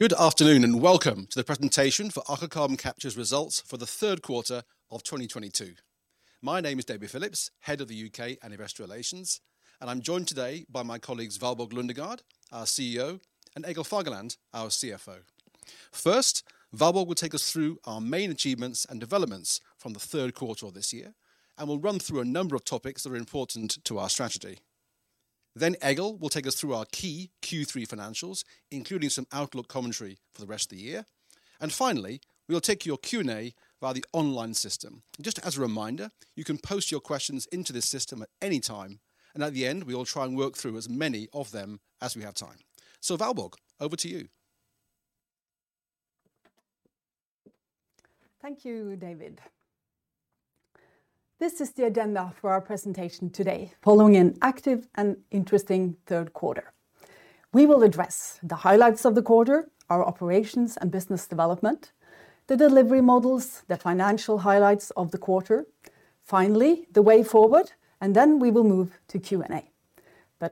Good afternoon and welcome to the presentation for Aker Carbon Capture's results for the third quarter of 2022. My name is David Phillips, Head of U.K. and Investor Relations, and I'm joined today by my colleagues, Valborg Lundegaard, our CEO, and Egil Fagerland, our CFO. First, Valborg will take us through our main achievements and developments from the third quarter of this year and will run through a number of topics that are important to our strategy. Egil will take us through our key Q3 financials, including some outlook commentary for the rest of the year. Finally, we will take your Q&A via the online system. Just as a reminder, you can post your questions into this system at any time, and at the end, we will try and work through as many of them as we have time. Valborg, over to you. Thank you, David. This is the agenda for our presentation today, following an active and interesting third quarter. We will address the highlights of the quarter, our operations and business development, the delivery models, the financial highlights of the quarter, finally, the way forward, and then we will move to Q&A.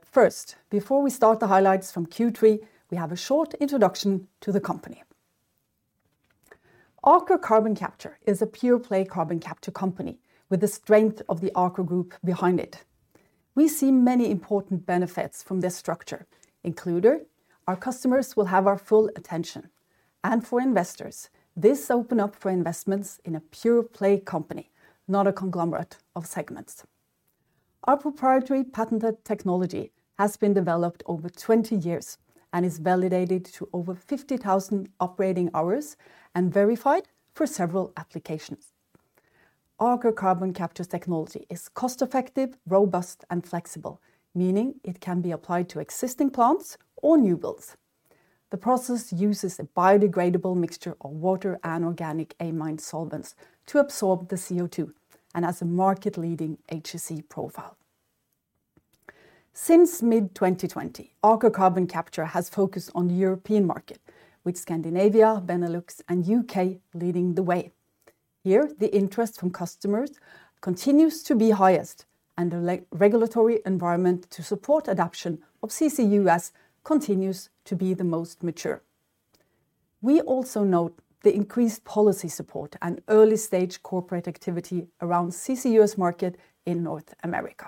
First, before we start the highlights from Q3, we have a short introduction to the company. Aker Carbon Capture is a pure-play carbon capture company with the strength of the Aker group behind it. We see many important benefits from this structure, including our customers will have our full attention, and for investors, this open up for investments in a pure-play company, not a conglomerate of segments. Our proprietary patented technology has been developed over 20 years and is validated to over 50,000 operating hours and verified for several applications. Aker Carbon Capture's technology is cost-effective, robust, and flexible, meaning it can be applied to existing plants or new builds. The process uses a biodegradable mixture of water and organic amine solvents to absorb the CO2 and has a market-leading HSE profile. Since mid-2020, Aker Carbon Capture has focused on the European market, with Scandinavia, Benelux, and U.K. leading the way. Here, the interest from customers continues to be highest, and the regulatory environment to support adoption of CCUS continues to be the most mature. We also note the increased policy support and early-stage corporate activity around CCUS market in North America.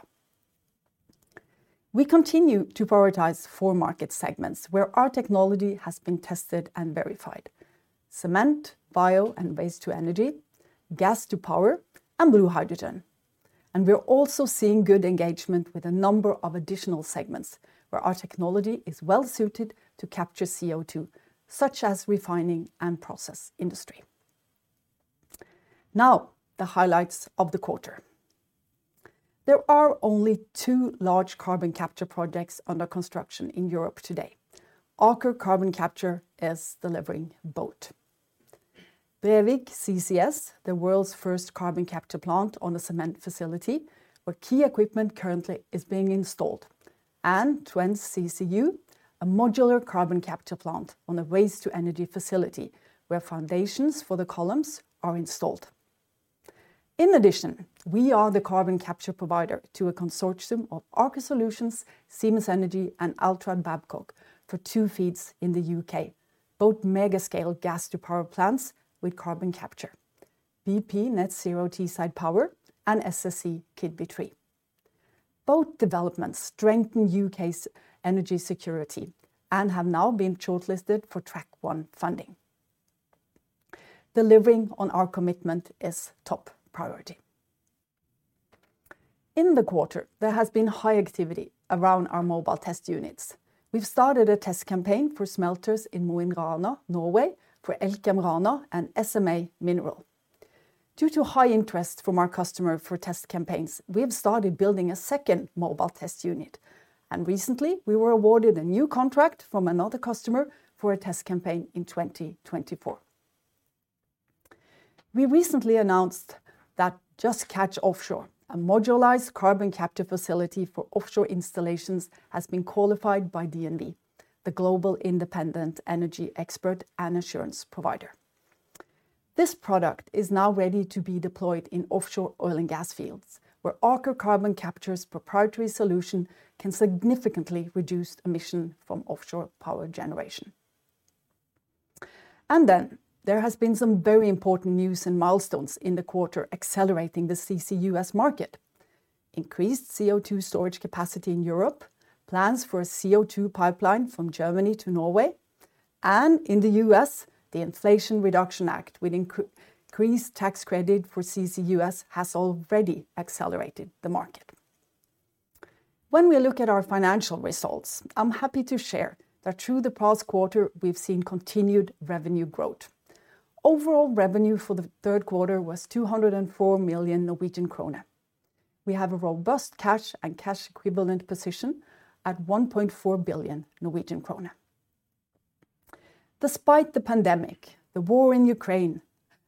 We continue to prioritize four market segments where our technology has been tested and verified, cement, bio and waste to energy, gas to power, and blue hydrogen. We're also seeing good engagement with a number of additional segments where our technology is well-suited to capture CO2, such as refining and process industry. Now, the highlights of the quarter. There are only two large carbon capture projects under construction in Europe today. Aker Carbon Capture is delivering both. Brevik CCS, the world's first carbon capture plant on a cement facility, where key equipment currently is being installed, and Twence CCU, a modular carbon capture plant on a waste-to-energy facility, where foundations for the columns are installed. In addition, we are the carbon capture provider to a consortium of Aker Solutions, Siemens Energy, and Altrad Babcock for two FEEDs in the U.K., both mega-scale gas-to-power plants with carbon capture, BP Net Zero Teesside Power and SSE Keadby 3. Both developments strengthen U.K.'s energy security and have now been shortlisted for Track-1 funding. Delivering on our commitment is top priority. In the quarter, there has been high activity around our mobile test units. We've started a test campaign for smelters in Mo i Rana, Norway for Elkem Rana and SMA Mineral. Due to high interest from our customer for test campaigns, we have started building a second mobile test unit, and recently, we were awarded a new contract from another customer for a test campaign in 2024. We recently announced that Just Catch Offshore, a modularized carbon capture facility for offshore installations, has been qualified by DNV, the global independent energy expert and assurance provider. This product is now ready to be deployed in offshore oil and gas fields, where Aker Carbon Capture's proprietary solution can significantly reduce emission from offshore power generation. There has been some very important news and milestones in the quarter accelerating the CCUS market. Increased CO2 storage capacity in Europe, plans for a CO2 pipeline from Germany to Norway, and in the U.S., the Inflation Reduction Act with increased tax credit for CCUS has already accelerated the market. When we look at our financial results, I'm happy to share that through the past quarter, we've seen continued revenue growth. Overall revenue for the third quarter was 204 million Norwegian krone. We have a robust cash and cash equivalent position at 1.4 billion Norwegian krone. Despite the pandemic, the war in Ukraine,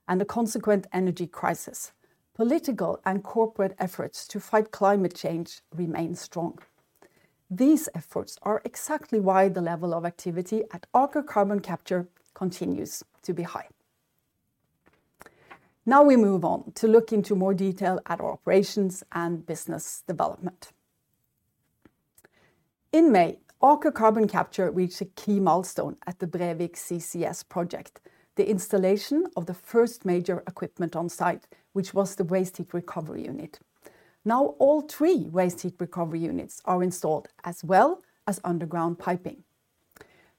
and the consequent energy crisis, political and corporate efforts to fight climate change remain strong. These efforts are exactly why the level of activity at Aker Carbon Capture continues to be high. Now we move on to look into more detail at our operations and business development. In May, Aker Carbon Capture reached a key milestone at the Brevik CCS project, the installation of the first major equipment on site, which was the waste heat recovery unit. Now all three waste heat recovery units are installed as well as underground piping.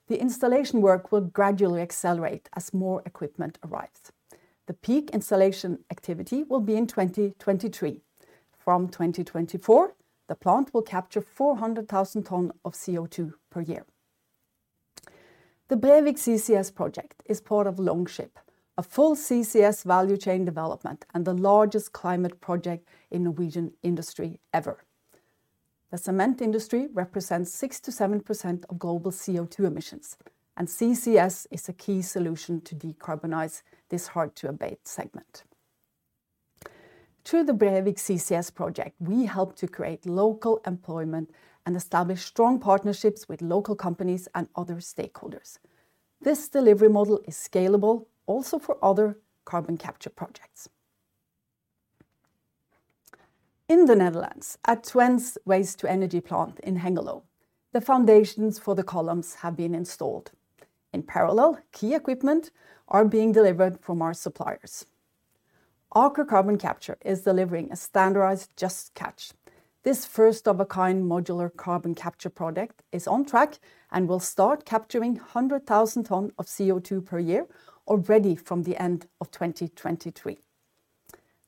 The installation work will gradually accelerate as more equipment arrives. The peak installation activity will be in 2023. From 2024, the plant will capture 400,000 tons of CO2 per year. The Brevik CCS project is part of Longship, a full CCS value chain development and the largest climate project in Norwegian industry ever. The cement industry represents 6%-7% of global CO2 emissions, and CCS is a key solution to decarbonize this hard-to-abate segment. Through the Brevik CCS project, we help to create local employment and establish strong partnerships with local companies and other stakeholders. This delivery model is scalable also for other carbon capture projects. In the Netherlands, at Twence's waste-to-energy plant in Hengelo, the foundations for the columns have been installed. In parallel, key equipment are being delivered from our suppliers. Aker Carbon Capture is delivering a standardized Just Catch. This first-of-a-kind modular carbon capture product is on track and will start capturing 100,000 tons of CO2 per year already from the end of 2023.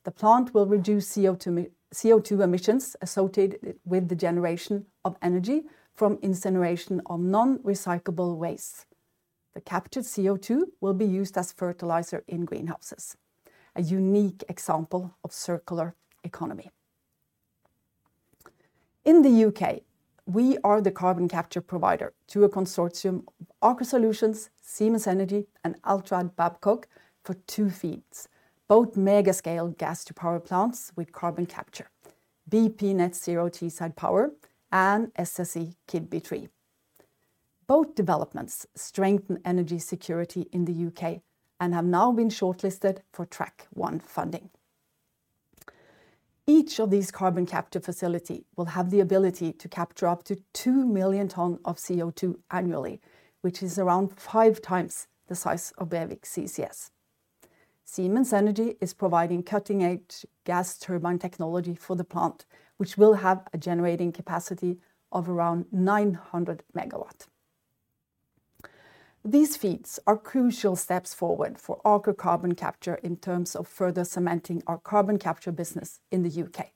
The plant will reduce CO2 emissions associated with the generation of energy from incineration of non-recyclable waste. The captured CO2 will be used as fertilizer in greenhouses, a unique example of circular economy. In the U.K., we are the carbon capture provider to a consortium of Aker Solutions, Siemens Energy, and Altrad Babcock for two FEEDs, both mega-scale gas to power plants with carbon capture, BP Net Zero Teesside Power and SSE Keadby 3. Both developments strengthen energy security in the U.K. and have now been shortlisted for Track-1 funding. Each of these carbon capture facilities will have the ability to capture up to 2 million tons of CO2 annually, which is around five times the size of Brevik CCS. Siemens Energy is providing cutting-edge gas turbine technology for the plant, which will have a generating capacity of around 900 MW. These FEEDs are crucial steps forward for Aker Carbon Capture in terms of further cementing our carbon capture business in the U.K..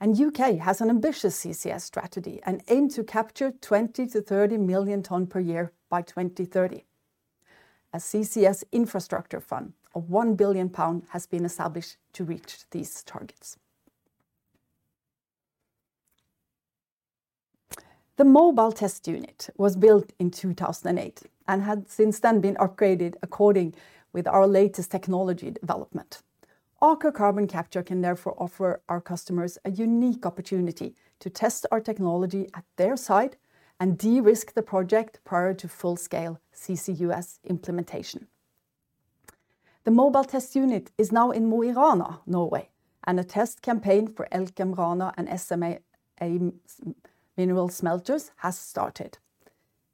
U.K. has an ambitious CCS strategy and aim to capture 20 million-30 million tons per year by 2030. A CCS infrastructure fund of 1 billion pound has been established to reach these targets. The Mobile Test Unit was built, and had since then been upgraded in accordance with our latest technology development. Aker Carbon Capture can therefore offer our customers a unique opportunity to test our technology at their site and de-risk the project prior to full-scale CCUS implementation. The Mobile Test Unit is now in Mo i Rana, Norway, and a test campaign for Elkem Rana and SMA Mineral smelters has started.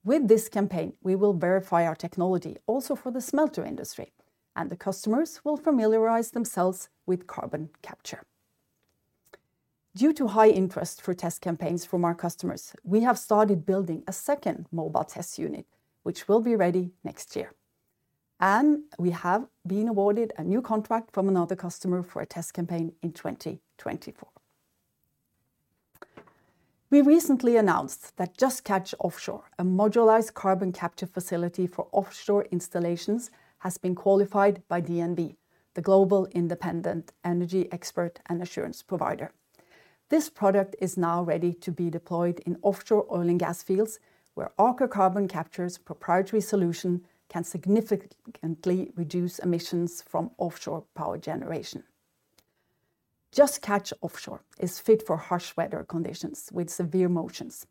With this campaign, we will verify our technology also for the smelter industry, and the customers will familiarize themselves with carbon capture. Due to high interest for test campaigns from our customers, we have started building a second Mobile Test Unit, which will be ready next year, and we have been awarded a new contract from another customer for a test campaign in 2024. We recently announced that Just Catch Offshore, a modularized carbon capture facility for offshore installations, has been qualified by DNV, the global independent energy expert and assurance provider. This product is now ready to be deployed in offshore oil and gas fields, where Aker Carbon Capture's proprietary solution can significantly reduce emissions from offshore power generation. Just Catch Offshore is fit for harsh weather conditions with severe motions.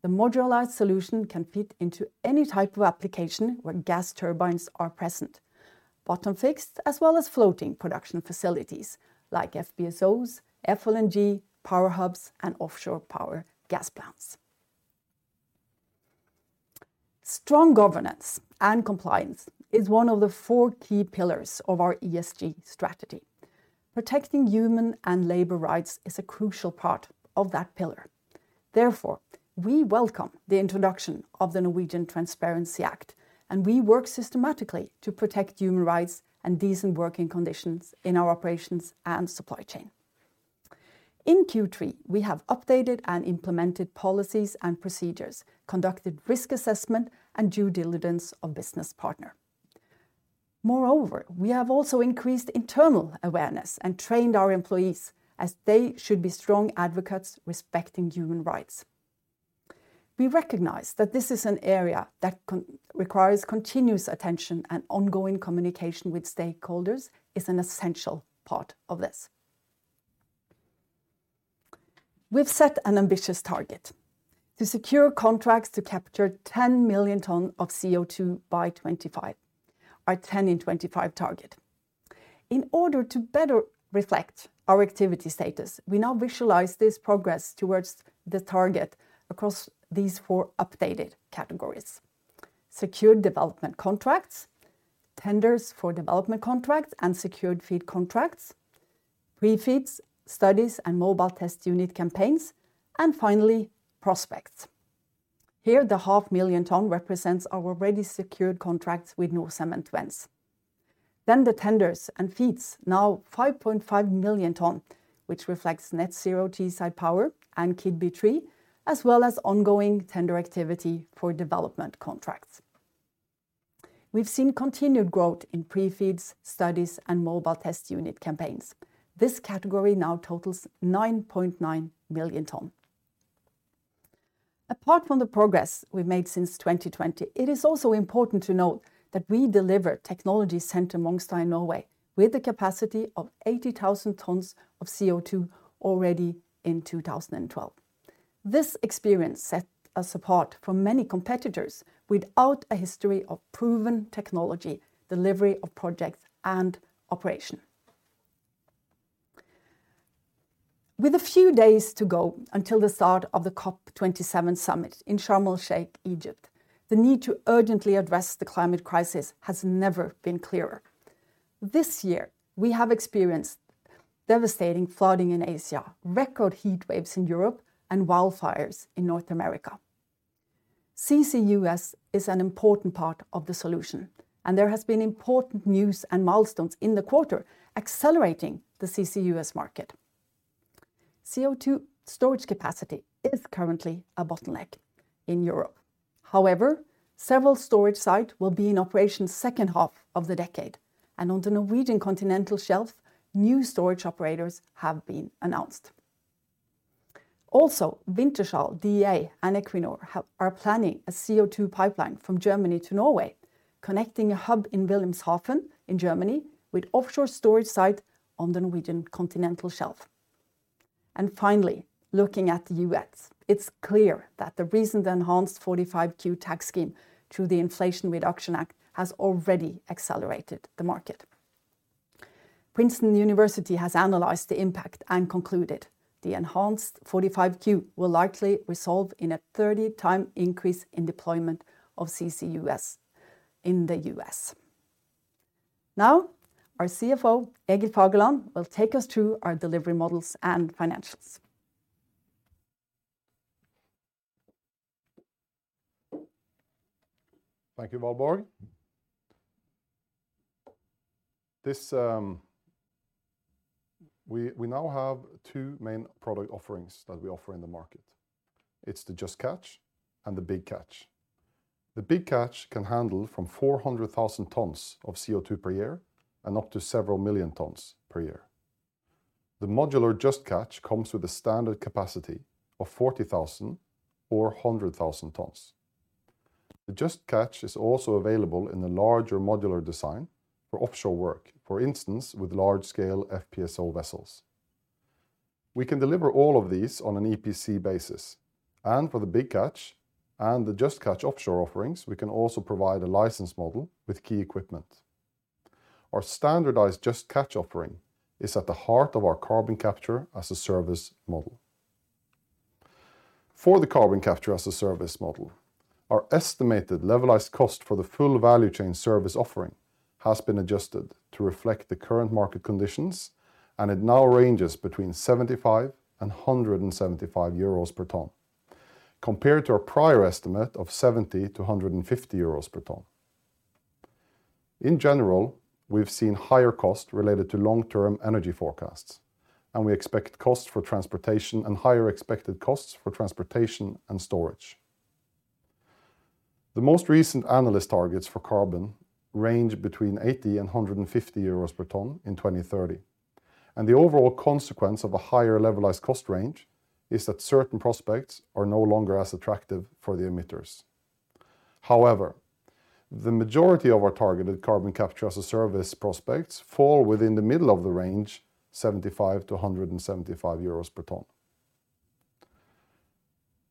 The modularized solution can fit into any type of application where gas turbines are present, bottom fixed as well as floating production facilities like FPSOs, FLNG, power hubs, and offshore power gas plants. Strong governance and compliance is one of the four key pillars of our ESG strategy. Protecting human and labor rights is a crucial part of that pillar. Therefore, we welcome the introduction of the Norwegian Transparency Act, and we work systematically to protect human rights and decent working conditions in our operations and supply chain. In Q3, we have updated and implemented policies and procedures, conducted risk assessment and due diligence of business partner. Moreover, we have also increased internal awareness and trained our employees as they should be strong advocates respecting human rights. We recognize that this is an area that requires continuous attention, and ongoing communication with stakeholders is an essential part of this. We've set an ambitious target to secure contracts to capture 10 million tons of CO2 by 2025. Our 10 in 2025 target. In order to better reflect our activity status, we now visualize this progress towards the target across these four updated categories. Secured development contracts, tenders for development contracts and secured FEED contracts, pre-FEEDs, studies and Mobile Test Unit campaigns, and finally, prospects. Here, the 0.5 million tons represents our already secured contracts with Norcem and Twence. The tenders and FEEDs, now 5.5 million tons, which reflects Net Zero Teesside Power and Keadby 3, as well as ongoing tender activity for development contracts. We've seen continued growth in pre-FEEDs, studies, and Mobile Test Unit campaigns. This category now totals 9.9 million tons. Apart from the progress we've made since 2020, it is also important to note that we deliver Technology Centre Mongstad, Norway with the capacity of 80,000 tons of CO2 already in 2012. This experience set us apart from many competitors without a history of proven technology, delivery of projects and operation. With a few days to go until the start of the COP27 summit in Sharm El-Sheikh, Egypt, the need to urgently address the climate crisis has never been clearer. This year, we have experienced devastating flooding in Asia, record heat waves in Europe, and wildfires in North America. CCUS is an important part of the solution, and there has been important news and milestones in the quarter accelerating the CCUS market. CO2 storage capacity is currently a bottleneck in Europe. However, several storage site will be in operation second half of the decade, and on the Norwegian continental shelf, new storage operators have been announced. Also, Wintershall Dea and Equinor are planning a CO2 pipeline from Germany to Norway, connecting a hub in Wilhelmshaven in Germany with offshore storage site on the Norwegian continental shelf. Finally, looking at the U.S., it's clear that the recent enhanced 45Q tax scheme through the Inflation Reduction Act has already accelerated the market. Princeton University has analyzed the impact and concluded the enhanced 45Q will likely result in a 30x increase in deployment of CCUS in the U.S. Now, our CFO, Egil Fagerland, will take us through our delivery models and financials. Thank you, Valborg. This, we now have two main product offerings that we offer in the market. It's the Just Catch and the Big Catch. The Big Catch can handle from 400,000 tons of CO2 per year and up to several million tons per year. The modular Just Catch comes with a standard capacity of 40,000 or 100,000 tons. The Just Catch is also available in the larger modular design for offshore work. For instance, with large-scale FPSO vessels. We can deliver all of these on an EPC basis, and for the Big Catch and the Just Catch offshore offerings, we can also provide a license model with key equipment. Our standardized Just Catch offering is at the heart of our carbon capture as a service model. For the carbon capture as a service model, our estimated levelized cost for the full value chain service offering has been adjusted to reflect the current market conditions, and it now ranges between 75 and 175 euros per ton, compared to our prior estimate of 70 euros to 150 euros per ton. In general, we've seen higher costs related to long-term energy forecasts, and we expect higher costs for transportation and storage. The most recent analyst targets for carbon range between 80 and 150 euros per ton in 2030, and the overall consequence of a higher levelized cost range is that certain prospects are no longer as attractive for the emitters. However, the majority of our targeted carbon capture as a service prospects fall within the middle of the range, 75 to 175 euros per ton.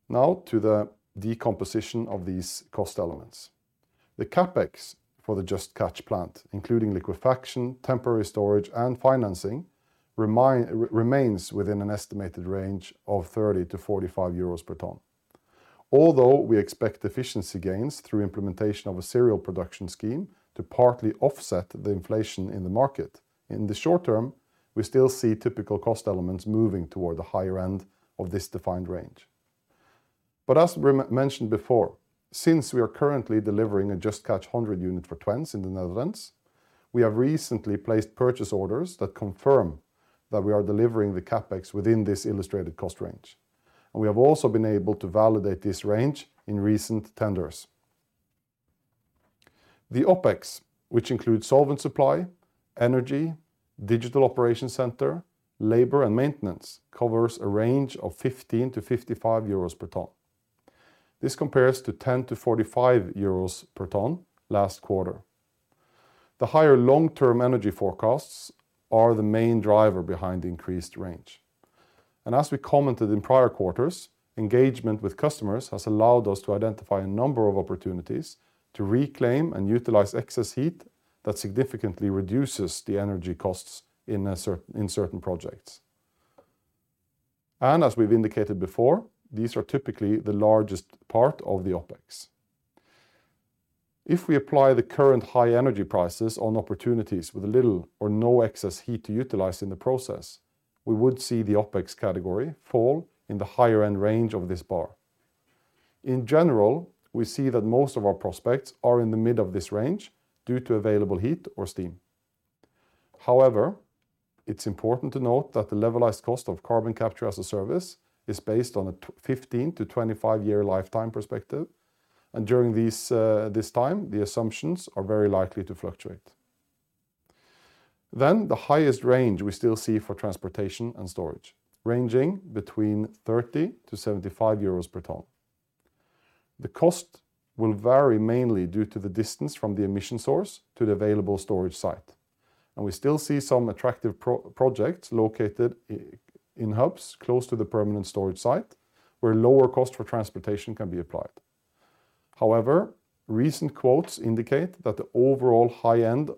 Now to the decomposition of these cost elements. The CapEx for the Just Catch plant, including liquefaction, temporary storage, and financing remains within an estimated range of 30-45 euros per ton. Although we expect efficiency gains through implementation of a serial production scheme to partly offset the inflation in the market, in the short term, we still see typical cost elements moving toward the higher end of this defined range. As we mentioned before, since we are currently delivering a Just Catch 100 unit for Twence in the Netherlands, we have recently placed purchase orders that confirm that we are delivering the CapEx within this illustrated cost range, and we have also been able to validate this range in recent tenders. The OpEx, which includes solvent supply, energy, digital operation center, labor, and maintenance, covers a range of 15-55 euros per ton. This compares to 10-45 euros per ton last quarter. The higher long-term energy forecasts are the main driver behind increased range. As we commented in prior quarters, engagement with customers has allowed us to identify a number of opportunities to reclaim and utilize excess heat that significantly reduces the energy costs in certain projects. As we've indicated before, these are typically the largest part of the OpEx. If we apply the current high energy prices on opportunities with little or no excess heat to utilize in the process, we would see the OpEx category fall in the higher end range of this bar. In general, we see that most of our prospects are in the mid of this range due to available heat or steam. However, it's important to note that the levelized cost of carbon capture as a service is based on a 15-25 year lifetime perspective, and during these, this time, the assumptions are very likely to fluctuate. The highest range we still see for transportation and storage, ranging between 30-75 euros per ton. The cost will vary mainly due to the distance from the emission source to the available storage site, and we still see some attractive projects located in hubs close to the permanent storage site where lower cost for transportation can be applied. However, recent quotes indicate that the overall high end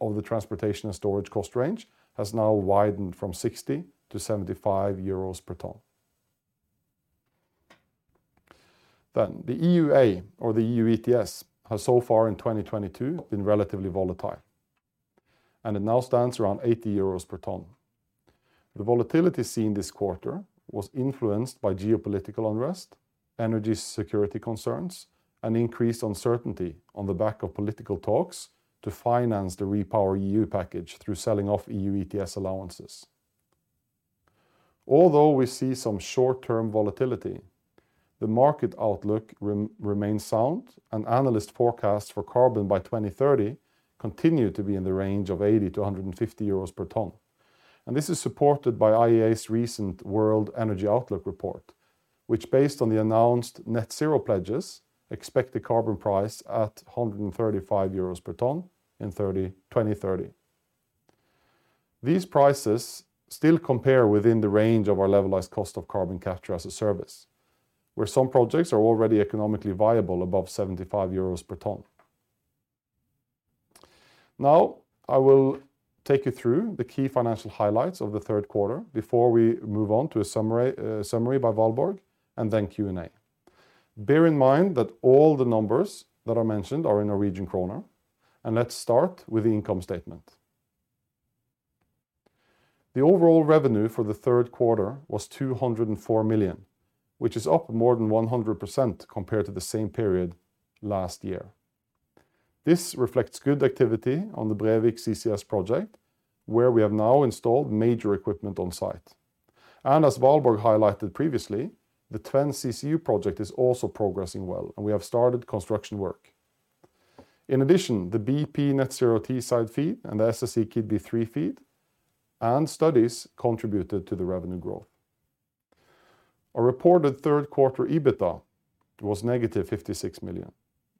of the transportation and storage cost range has now widened from 60-75 euros per ton. The EUA or the EU ETS has so far in 2022 been relatively volatile, and it now stands around 80 euros per ton. The volatility seen this quarter was influenced by geopolitical unrest, energy security concerns, and increased uncertainty on the back of political talks to finance the REPowerEU package through selling off EU ETS allowances. Although we see some short-term volatility, the market outlook remains sound and analyst forecasts for carbon by 2030 continue to be in the range of 80-150 euros per ton. This is supported by IEA's recent World Energy Outlook report, which, based on the announced net zero pledges, expect the carbon price at 135 euros per ton in 2030. These prices still compare within the range of our levelized cost of carbon capture as a service, where some projects are already economically viable above 75 euros per ton. Now I will take you through the key financial highlights of the third quarter before we move on to a summary by Valborg and then Q&A. Bear in mind that all the numbers that are mentioned are in Norwegian kroner, and let's start with the income statement. The overall revenue for the third quarter was 204 million, which is up more than 100% compared to the same period last year. This reflects good activity on the Brevik CCS project, where we have now installed major equipment on site. As Valborg highlighted previously, the Twence CCU project is also progressing well, and we have started construction work. In addition, the BP Net Zero Teesside FEED and the SSE Keadby 3 FEED and studies contributed to the revenue growth. Our reported third quarter EBITDA was -56 million,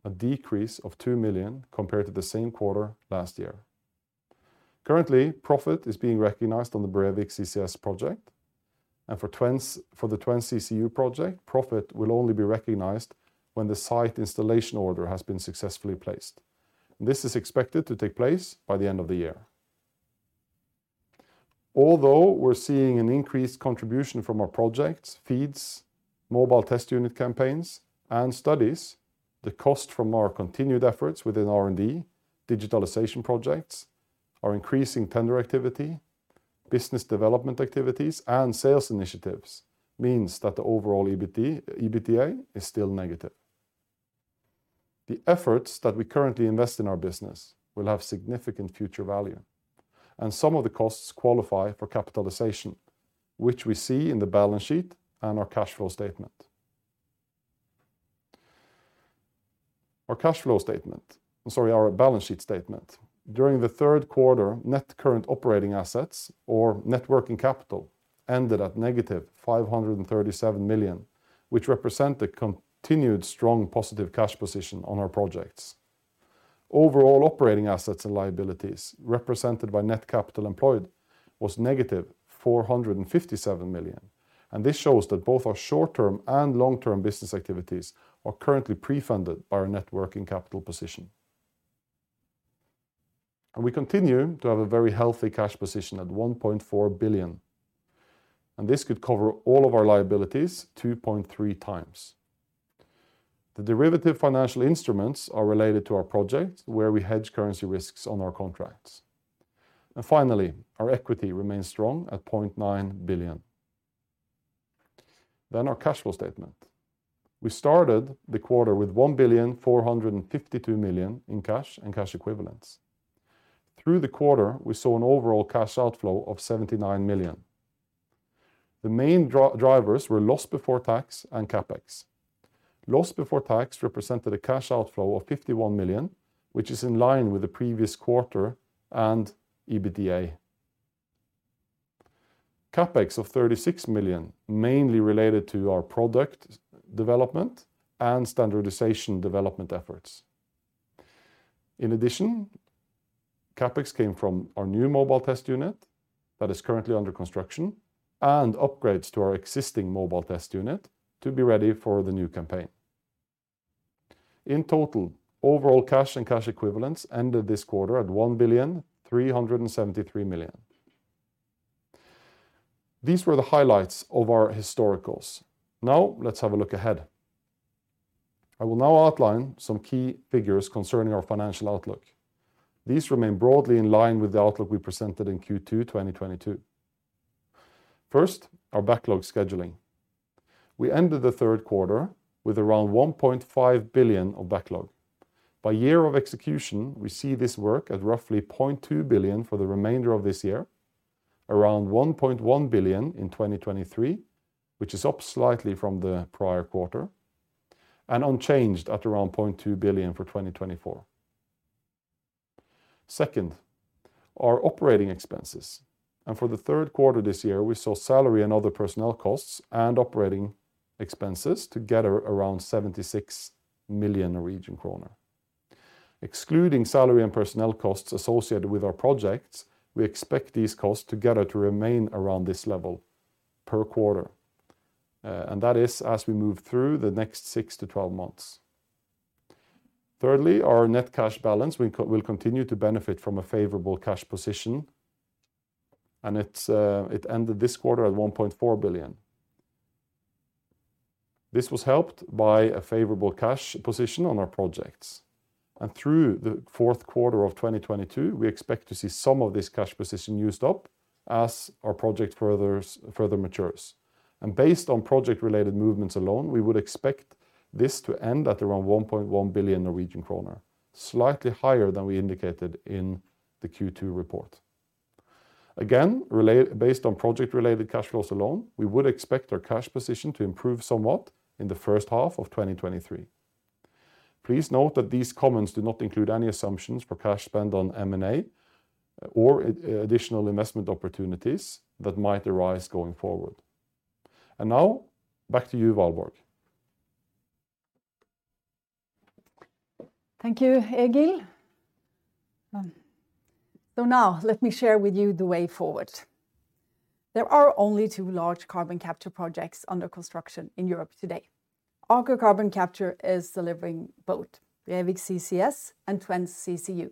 a decrease of 2 million compared to the same quarter last year. Currently, profit is being recognized on the Brevik CCS project, and for the Twence CCU project, profit will only be recognized when the site installation order has been successfully placed. This is expected to take place by the end of the year. Although we're seeing an increased contribution from our projects, FEEDs, Mobile Test Unit campaigns, and studies, the cost from our continued efforts within R&D, digitalization projects, our increasing tender activity, business development activities, and sales initiatives means that the overall EBITDA is still negative. The efforts that we currently invest in our business will have significant future value, and some of the costs qualify for capitalization, which we see in the balance sheet and our balance sheet statement. During the third quarter, net current operating assets or net working capital ended at -537 million, which represent the continued strong positive cash position on our projects. Overall operating assets and liabilities represented by net capital employed was -457 million, and this shows that both our short-term and long-term business activities are currently pre-funded by our net working capital position. We continue to have a very healthy cash position at 1.4 billion, and this could cover all of our liabilities 2.3x. The derivative financial instruments are related to our projects where we hedge currency risks on our contracts. Finally, our equity remains strong at 0.9 billion. Our cash flow statement. We started the quarter with 1,452 million in cash and cash equivalents. Through the quarter, we saw an overall cash outflow of 79 million. The main drivers were loss before tax and CapEx. Loss before tax represented a cash outflow of 51 million, which is in line with the previous quarter and EBITDA. CapEx of 36 million, mainly related to our product development and standardization development efforts. In addition, CapEx came from our new Mobile Test Unit that is currently under construction and upgrades to our existing Mobile Test Unit to be ready for the new campaign. In total, overall cash and cash equivalents ended this quarter at 1,373 million. These were the highlights of our historicals. Now let's have a look ahead. I will now outline some key figures concerning our financial outlook. These remain broadly in line with the outlook we presented in Q2 2022. First, our backlog scheduling. We ended the third quarter with around 1.5 billion of backlog. By year of execution, we see this work at roughly 0.2 billion for the remainder of this year, around 1.1 billion in 2023, which is up slightly from the prior quarter, and unchanged at around 0.2 billion for 2024. Second, our operating expenses, and for the third quarter this year, we saw salary and other personnel costs and operating expenses together around 76 million Norwegian kroner. Excluding salary and personnel costs associated with our projects, we expect these costs together to remain around this level per quarter, and that is as we move through the next 6-12 months. Thirdly, our net cash balance will continue to benefit from a favorable cash position, and it ended this quarter at 1.4 billion. This was helped by a favorable cash position on our projects, and through the fourth quarter of 2022, we expect to see some of this cash position used up as our project further matures. Based on project-related movements alone, we would expect this to end at around 1.1 billion Norwegian kroner, slightly higher than we indicated in the Q2 report. Based on project-related cash flows alone, we would expect our cash position to improve somewhat in the first half of 2023. Please note that these comments do not include any assumptions for cash spend on M&A or additional investment opportunities that might arise going forward. Now back to you, Valborg. Thank you, Egil. Now let me share with you the way forward. There are only two large carbon capture projects under construction in Europe today. Aker Carbon Capture is delivering both Brevik CCS and Twence CCU.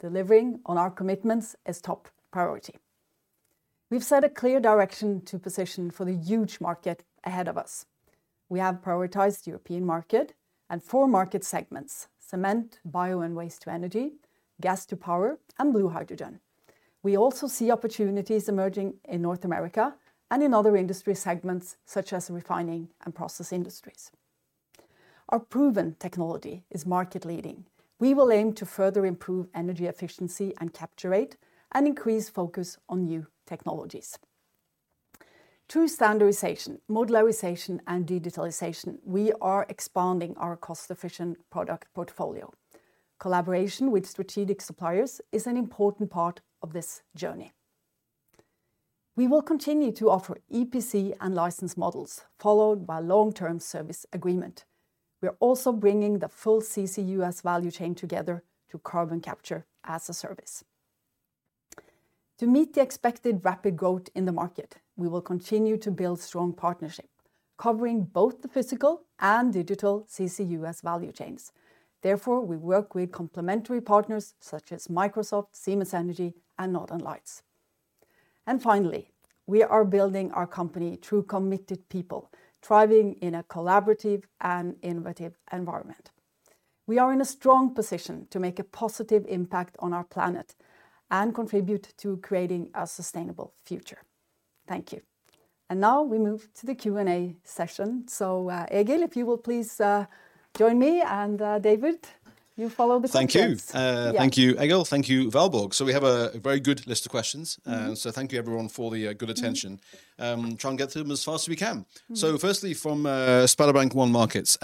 Delivering on our commitments is top priority. We've set a clear direction to position for the huge market ahead of us. We have prioritized European market and four market segments, cement, bio and waste-to-energy, gas-to-power, and blue hydrogen. We also see opportunities emerging in North America and in other industry segments such as refining and process industries. Our proven technology is market leading. We will aim to further improve energy efficiency and capture rate and increase focus on new technologies. Through standardization, modularization, and digitalization, we are expanding our cost-efficient product portfolio. Collaboration with strategic suppliers is an important part of this journey. We will continue to offer EPC and license models followed by long-term service agreement. We are also bringing the full CCUS value chain together to carbon capture as a service. To meet the expected rapid growth in the market, we will continue to build strong partnership covering both the physical and digital CCUS value chains. Therefore, we work with complementary partners such as Microsoft, Siemens Energy, and Northern Lights. Finally, we are building our company through committed people thriving in a collaborative and innovative environment. We are in a strong position to make a positive impact on our planet and contribute to creating a sustainable future. Thank you. Now we move to the Q&A session. Egil, if you will please, join me, and, David, you follow the same steps. Thank you. Yeah. Thank you, Egil. Thank you, Valborg. We have a very good list of questions. Mm-hmm. Thank you everyone for the good attention. Mm-hmm. Try and get through them as fast as we can. Mm-hmm. Firstly, from SpareBank 1 Markets,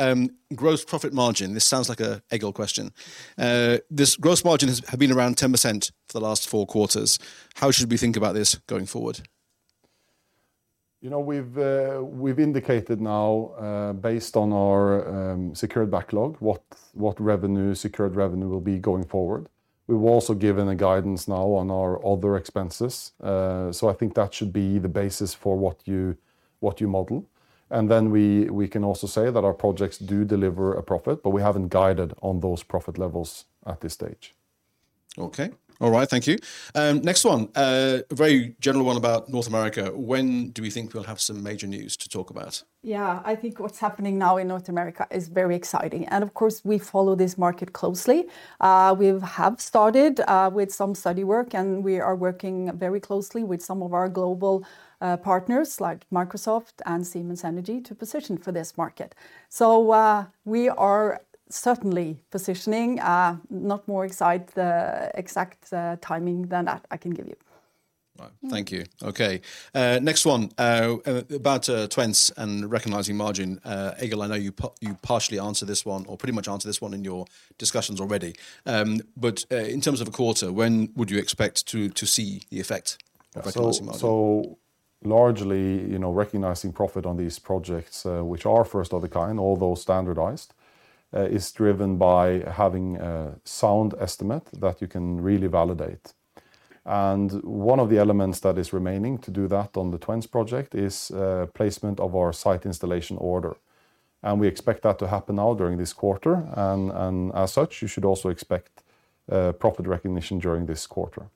gross profit margin, this sounds like a Egil question. This gross margin had been around 10% for the last four quarters. How should we think about this going forward? You know, we've indicated now, based on our secured backlog, what secured revenue will be going forward. We've also given a guidance now on our other expenses. I think that should be the basis for what you model. We can also say that our projects do deliver a profit, but we haven't guided on those profit levels at this stage. Okay. All right. Thank you. Next one, a very general one about North America. When do we think we'll have some major news to talk about? Yeah. I think what's happening now in North America is very exciting, and of course, we follow this market closely. We have started with some study work, and we are working very closely with some of our global partners like Microsoft and Siemens Energy to position for this market. We are certainly positioning. I cannot give you more on the exact timing than that I can give you. Right. Mm-hmm. Thank you. Okay. Next one, about Twence and recognizing margin. Egil, I know you partially answered this one or pretty much answered this one in your discussions already. In terms of a quarter, when would you expect to see the effect of recognizing margin? Largely, you know, recognizing profit on these projects, which are first of the kind, although standardized, is driven by having a sound estimate that you can really validate. One of the elements that is remaining to do that on the Twence project is placement of our site installation order, and we expect that to happen now during this quarter. As such, you should also expect profit recognition during this quarter.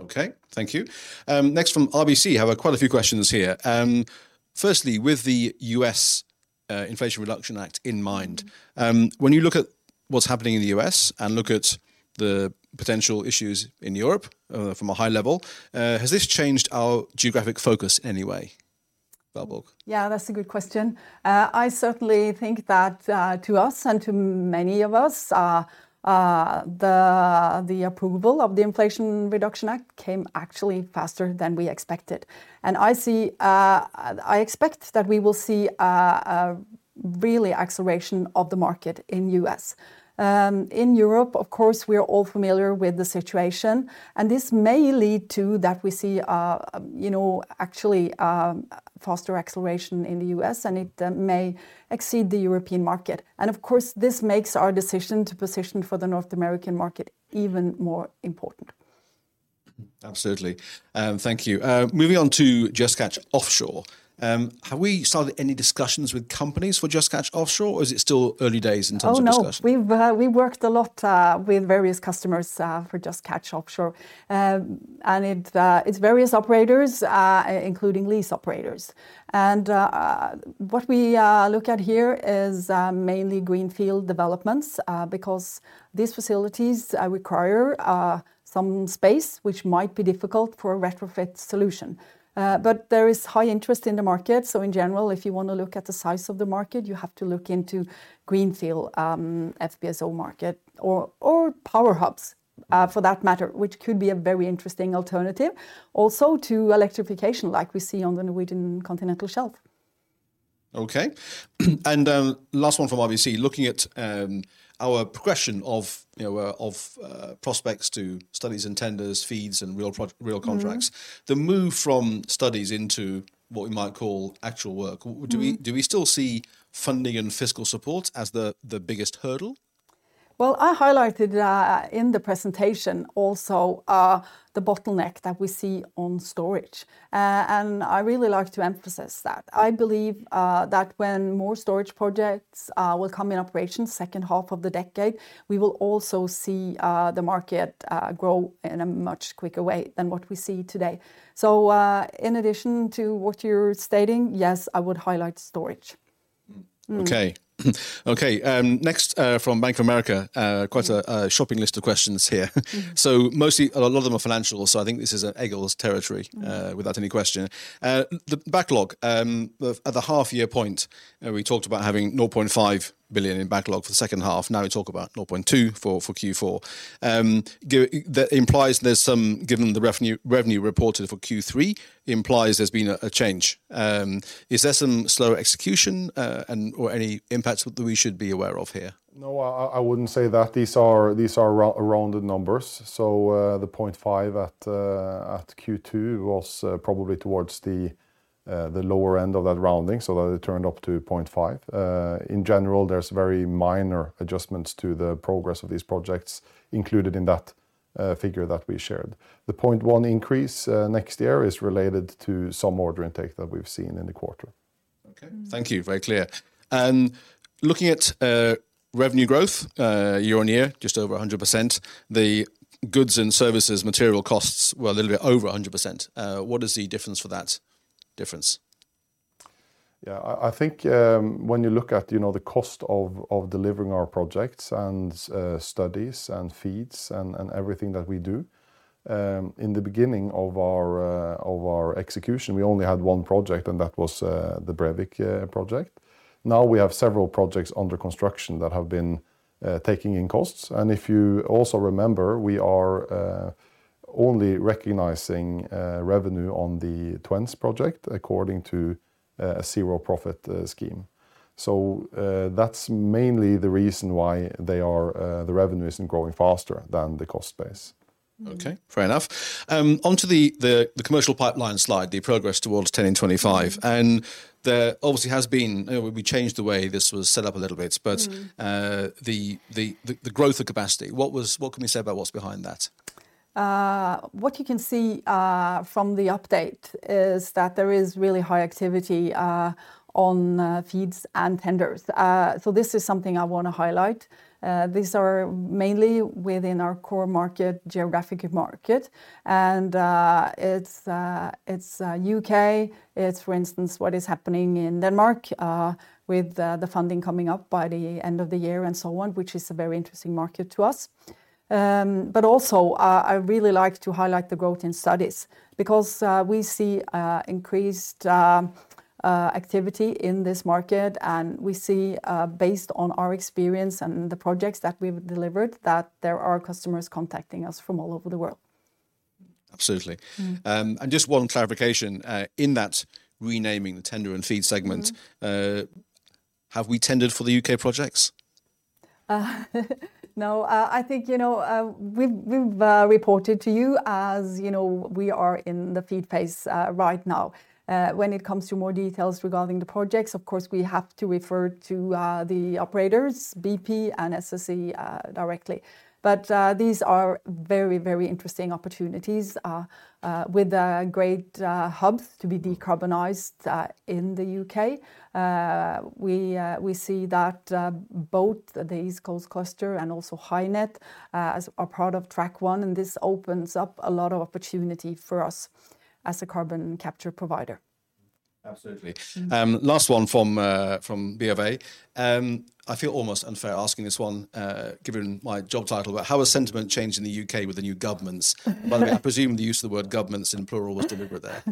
Okay, thank you. Next from RBC, have quite a few questions here. Firstly, with the U.S. Inflation Reduction Act in mind, when you look at what's happening in the U.S. and look at the potential issues in Europe, from a high level, has this changed our geographic focus in any way? Valborg? Yeah, that's a good question. I certainly think that to us and to many of us the approval of the Inflation Reduction Act came actually faster than we expected. I expect that we will see a really acceleration of the market in U.S. In Europe, of course, we are all familiar with the situation, and this may lead to that we see you know, actually, faster acceleration in the U.S., and it may exceed the European market. Of course, this makes our decision to position for the North American market even more important. Absolutely. Thank you. Moving on to Just Catch Offshore. Have we started any discussions with companies for Just Catch Offshore, or is it still early days in terms of discussion? We've worked a lot with various customers for Just Catch Offshore. It is various operators, including lease operators. What we look at here is mainly greenfield developments, because these facilities require some space which might be difficult for a retrofit solution. There is high interest in the market, so in general, if you want to look at the size of the market, you have to look into greenfield FPSO market or power hubs for that matter, which could be a very interesting alternative also to electrification like we see on the Norwegian continental shelf. Okay. Last one from RBC. Looking at our progression of, you know, prospects to studies and tenders, FEEDs, and real contracts. Mm-hmm the move from studies into what we might call actual work Mm-hmm Do we still see funding and fiscal support as the biggest hurdle? Well, I highlighted in the presentation also the bottleneck that we see on storage. I really like to emphasize that. I believe that when more storage projects will come in operation second half of the decade, we will also see the market grow in a much quicker way than what we see today. In addition to what you're stating, yes, I would highlight storage. Mm. Mm. Okay. Okay, next, from Bank of America. Mm. Quite a shopping list of questions here. Mm-hmm. Mostly, a lot of them are financial, so I think this is Egil's territory. Mm Without any question. The backlog at the half year point we talked about having 0.5 billion in backlog for the second half. Now we talk about 0.2 for Q4. That implies there's some, given the revenue reported for Q3, implies there's been a change. Is there some slower execution and/or any impacts that we should be aware of here? No, I wouldn't say that. These are rounded numbers. The 0.5 at Q2 was probably towards the lower end of that rounding, so that it turned up to 0.5. In general, there's very minor adjustments to the progress of these projects included in that figure that we shared. The 0.1 increase next year is related to some order intake that we've seen in the quarter. Okay. Mm. Thank you. Very clear. Looking at revenue growth year-on-year, just over 100%, the goods and services material costs were a little bit over 100%. What is the difference for that difference? Yeah. I think when you look at, you know, the cost of delivering our projects and studies and FEEDs and everything that we do in the beginning of our execution, we only had one project and that was the Brevik project. Now we have several projects under construction that have been taking in costs. If you also remember, we are only recognizing revenue on the Twence project according to a zero-profit scheme. That's mainly the reason why the revenue isn't growing faster than the cost base. Mm. Okay. Fair enough. Onto the commercial pipeline slide, the progress towards 10 in 2025. There obviously has been. You know, we changed the way this was set up a little bit. The growth of capacity, what can we say about what's behind that? What you can see from the update is that there is really high activity on FEEDs and tenders. This is something I wanna highlight. These are mainly within our core market, geographic market, and it's U.K., it's for instance, what is happening in Denmark with the funding coming up by the end of the year and so on, which is a very interesting market to us. Also, I really like to highlight the growth in studies because we see increased activity in this market, and we see, based on our experience and the projects that we've delivered, that there are customers contacting us from all over the world. Absolutely. Mm. Just one clarification in that renaming the tender and FEED segment. Mm-hmm Have we tendered for the U.K. projects? No, I think, you know, we've reported to you, as, you know, we are in the FEED phase right now. When it comes to more details regarding the projects, of course, we have to refer to the operators, BP and SSE, directly. These are very interesting opportunities with a great hub to be decarbonized in the U.K.. We see that both the East Coast Cluster and also HyNet, as are part of Track-1, and this opens up a lot of opportunity for us as a carbon capture provider. Absolutely. Mm. Last one from BofA. I feel almost unfair asking this one, given my job title. How has sentiment changed in the U.K. with the new governments? By the way, I presume the use of the word governments in plural was deliberate there.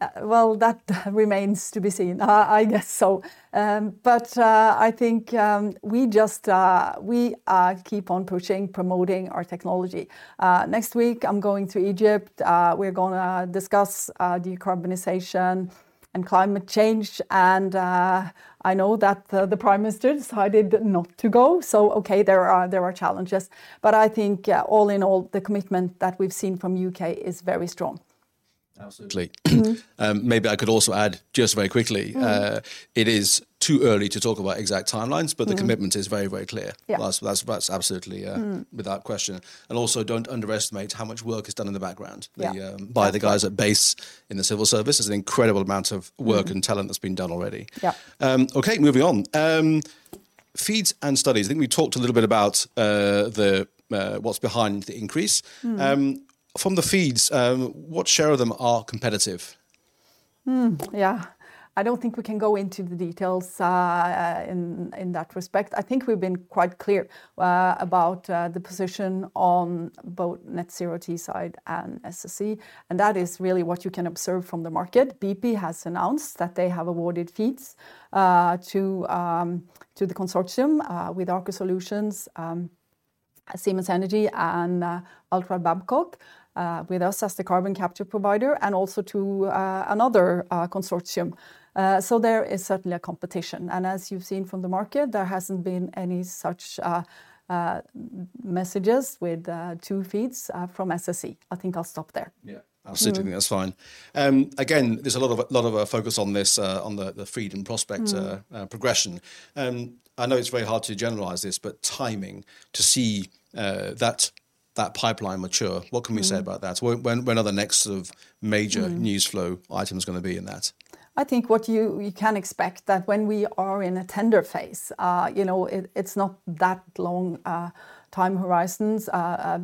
That remains to be seen. I guess so. I think we keep on pushing, promoting our technology. Next week, I'm going to Egypt. We're gonna discuss decarbonization and climate change, and I know that the prime minister decided not to go, so okay, there are challenges. I think, yeah, all in all, the commitment that we've seen from the U.K. is very strong. Absolutely. Mm. Maybe I could also add just very quickly. Mm It is too early to talk about exact timelines. Mm The commitment is very, very clear. Yeah. That's absolutely. Mm Without question. Also don't underestimate how much work is done in the background. Yeah by the guys at base in the civil service. There's an incredible amount of work. Mm talent that's been done already. Yeah. Okay, moving on. FEEDs and studies, I think we talked a little bit about the what's behind the increase. Mm. From the FEEDs, what share of them are competitive? I don't think we can go into the details in that respect. I think we've been quite clear about the position on both Net Zero Teesside and SSE, and that is really what you can observe from the market. BP has announced that they have awarded FEEDs to the consortium with Aker Solutions, Siemens Energy and Altrad Babcock with us as the carbon capture provider, and also to another consortium. So there is certainly a competition. As you've seen from the market, there hasn't been any such announcements with two FEEDs from SSE. I think I'll stop there. Yeah. Mm. Absolutely. That's fine. Again, there's a lot of focus on this, on the FEED and prospect progression. I know it's very hard to generalize this, but timing to see that pipeline mature. Mm What can we say about that? When are the next sort of major Mm News flow items gonna be in that? I think what you can expect that when we are in a tender phase, you know, it's not that long time horizons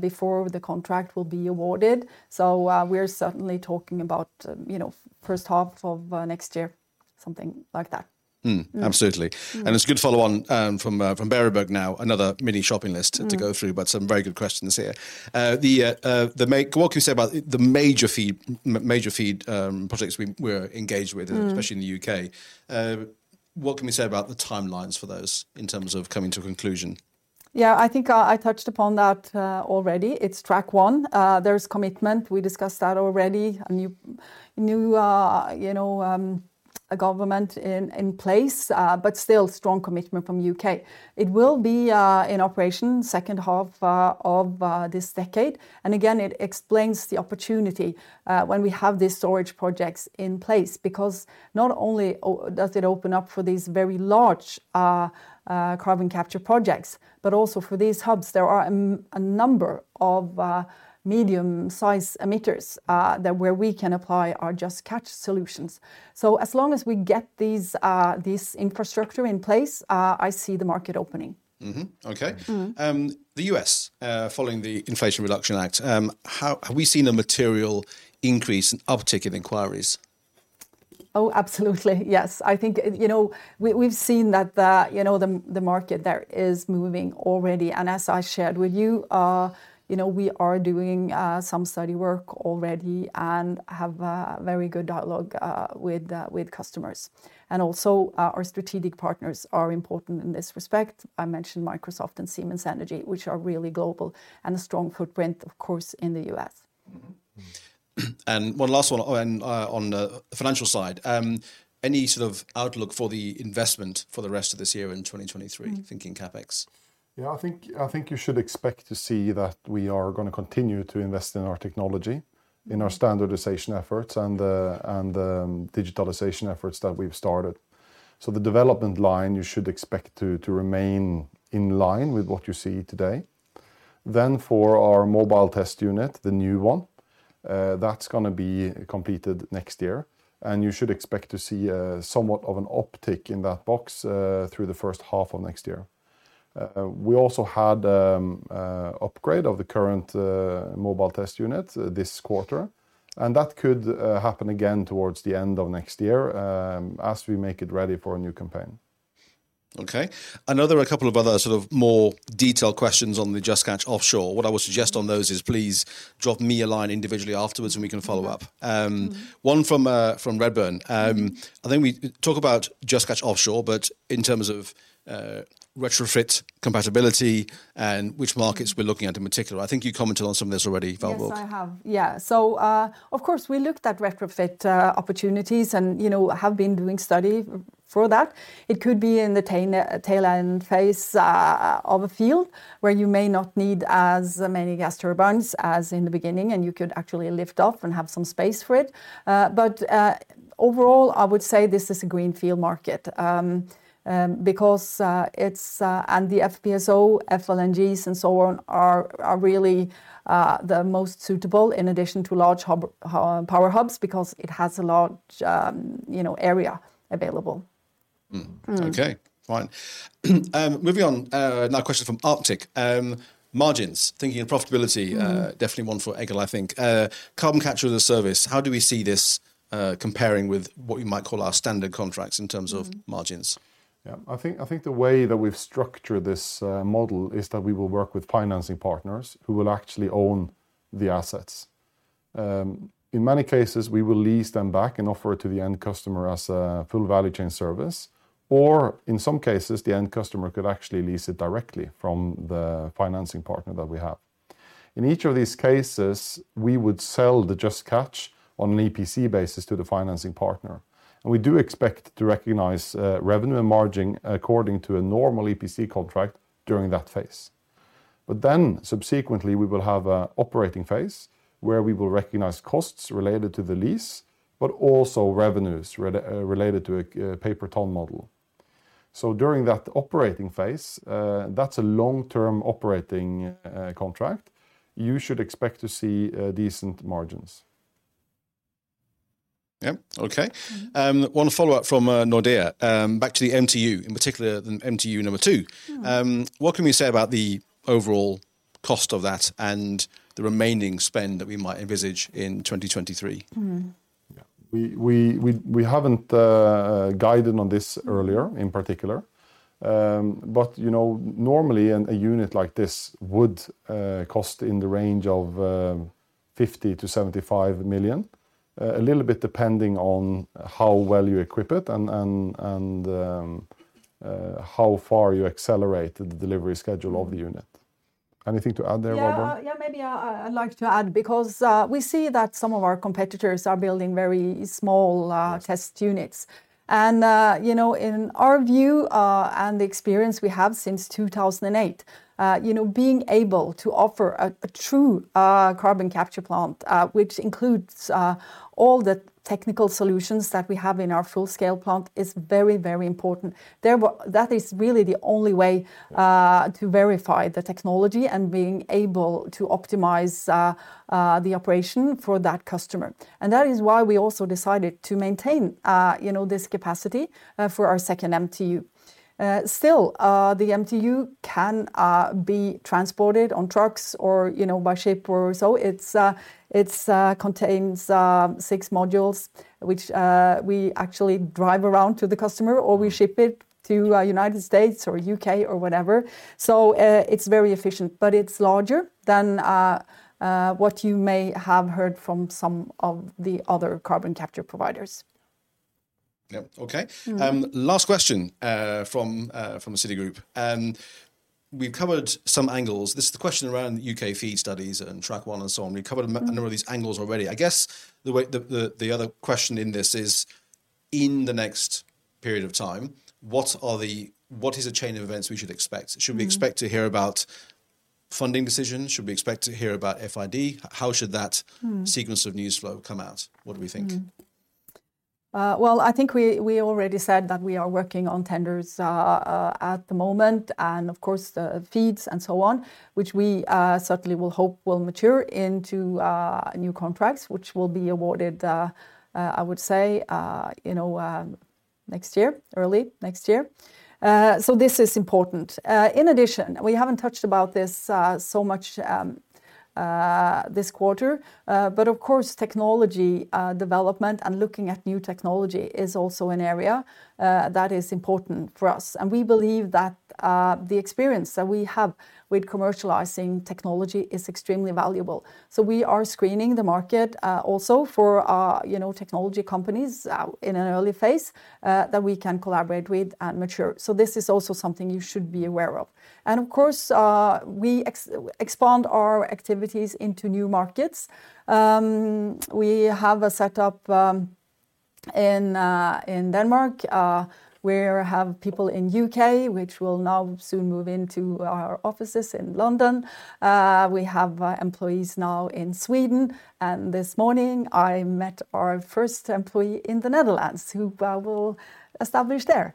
before the contract will be awarded. We're certainly talking about, you know, first half of next year, something like that. Hmm. Mm. Absolutely. Mm. It's a good follow on from Berenberg now, another mini shopping list. Mm to go through, some very good questions here. What can we say about the major FEED projects we're engaged with? Mm Especially in the U.K.? What can we say about the timelines for those in terms of coming to a conclusion? Yeah. I think I touched upon that already. It's Track-1. There's commitment. We discussed that already. A new government in place, but still strong commitment from U.K. It will be in operation second half of this decade, and again, it explains the opportunity when we have these storage projects in place. Because not only does it open up for these very large carbon capture projects, but also for these hubs, there are a number of medium-size emitters that we can apply our Just Catch solutions. As long as we get these infrastructure in place, I see the market opening. Mm-hmm. Okay. Mm. In the U.S., following the Inflation Reduction Act, have we seen a material increase, an uptick in inquiries? Oh, absolutely. Yes. I think, you know, we've seen that the market there is moving already. As I shared with you know, we are doing some study work already and have a very good dialogue with customers. Also, our strategic partners are important in this respect. I mentioned Microsoft and Siemens Energy, which are really global, and a strong footprint, of course, in the U.S.. Mm-hmm. One last one, oh, and on the financial side. Any sort of outlook for the investment for the rest of this year in 2023? Mm Thinking CapEx? I think you should expect to see that we are gonna continue to invest in our technology. In our standardization efforts and digitalization efforts that we've started. The development line you should expect to remain in line with what you see today. For our Mobile Test Unit, the new one, that's gonna be completed next year, and you should expect to see somewhat of an uptick in that box through the first half of next year. We also had upgrade of the current Mobile Test Unit this quarter, and that could happen again towards the end of next year as we make it ready for a new campaign. Okay. I know there are a couple of other sort of more detailed questions on the Just Catch Offshore. What I would suggest on those is please drop me a line individually afterwards, and we can follow up. Mm-hmm One from Redburn. I think we talk about Just Catch Offshore, but in terms of retrofit compatibility and which markets we're looking at in particular. I think you commented on some of this already, Valborg. Yes, I have. Yeah. Of course, we looked at retrofit opportunities and, you know, have been doing study for that. It could be in the tail end phase of a field, where you may not need as many gas turbines as in the beginning, and you could actually lift off and have some space for it. Overall, I would say this is a greenfield market, because it's and the FPSO, FLNGs and so on are really the most suitable in addition to large hub, high-power hubs because it has a large, you know, area available. Mm. Mm. Okay, fine. Moving on. Now a question from Arctic. Margins, thinking and profitability- Mm. Definitely one for Egil, I think. Carbon capture as a service, how do we see this, comparing with what you might call our standard contracts in terms of Margins? Yeah. I think the way that we've structured this model is that we will work with financing partners who will actually own the assets. In many cases, we will lease them back and offer it to the end customer as a full value chain service, or in some cases, the end customer could actually lease it directly from the financing partner that we have. In each of these cases, we would sell the Just Catch on an EPC basis to the financing partner, and we do expect to recognize revenue and margin according to a normal EPC contract during that phase. But then subsequently, we will have a operating phase where we will recognize costs related to the lease, but also revenues related to a pay per ton model. During that operating phase, that's a long-term operating contract. You should expect to see decent margins. Yeah. Okay. Mm. One follow-up from Nordea. Back to the MTU, in particular the MTU number two. Mm. What can we say about the overall cost of that and the remaining spend that we might envisage in 2023? Mm. Yeah. We haven't guided on this earlier in particular. You know, normally a unit like this would cost in the range of 50 million-75 million, a little bit depending on how well you equip it and how far you accelerate the delivery schedule of the unit. Anything to add there, Valborg? Yeah, yeah, maybe I'd like to add because we see that some of our competitors are building very small, Yes test units and, you know, in our view, and the experience we have since 2008, you know, being able to offer a true carbon capture plant, which includes all the technical solutions that we have in our full-scale plant is very, very important. That is really the only way. Yeah To verify the technology and being able to optimize the operation for that customer, and that is why we also decided to maintain, you know, this capacity for our second MTU. Still, the MTU can be transported on trucks or, you know, by ship or so. It contains six modules which we actually drive around to the customer, or we ship it to United States or U.K. or whatever. It's very efficient, but it's larger than what you may have heard from some of the other carbon capture providers. Yeah. Okay. Mm. Last question from Citigroup. We've covered some angles. This is a question around U.K. FEED studies and Track-1 and so on. Mm Number of these angles already. I guess the way the other question in this is: In the next period of time, what is a chain of events we should expect? Mm. Should we expect to hear about funding decisions? Should we expect to hear about FID? How should that? Sequence of news flow come out? What do we think? Well, I think we already said that we are working on tenders at the moment, and of course, the FEEDs and so on, which we certainly will hope will mature into new contracts, which will be awarded. I would say, you know, next year, early next year. This is important. In addition, we haven't touched about this so much this quarter, but of course, technology development and looking at new technology is also an area that is important for us, and we believe that the experience that we have with commercializing technology is extremely valuable. We are screening the market also for, you know, technology companies in an early phase that we can collaborate with and mature. This is also something you should be aware of. Of course, we expand our activities into new markets. We have a setup in Denmark. We have people in U.K., which will now soon move into our offices in London. We have employees now in Sweden, and this morning, I met our first employee in the Netherlands who will establish there.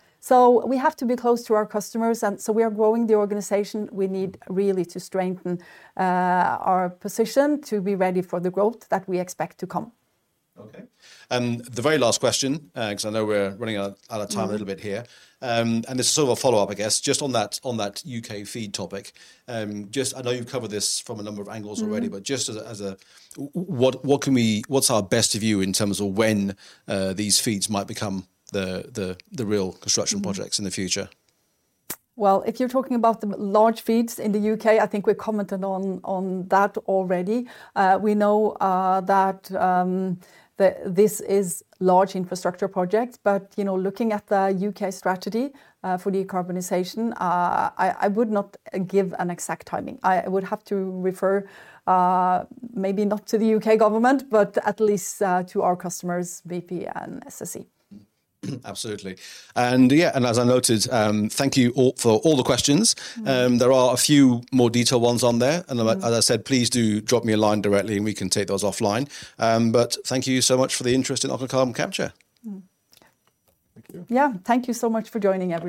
We have to be close to our customers, and so we are growing the organization. We need really to strengthen our position to be ready for the growth that we expect to come. Okay. The very last question, 'cause I know we're running out of time. A little bit here. This is sort of a follow-up, I guess, just on that, on that U.K. FEED topic. Just, I know you've covered this from a number of angles already. Mm-hmm What's our best view in terms of when these FEEDs might become the real construction projects? in the future? Well, if you're talking about the large FEEDs in the U.K., I think we commented on that already. We know that this is large infrastructure projects, but you know, looking at the U.K. strategy for decarbonization, I would not give an exact timing. I would have to refer maybe not to the U.K. government, but at least to our customers, BP and SSE. Absolutely. Yeah, and as I noted, thank you all for all the questions. Mm. There are a few more detailed ones on there, and as I said, please do drop me a line directly, and we can take those offline. Thank you so much for the interest in Aker Carbon Capture. Thank you. Yeah. Thank you so much for joining, everyone.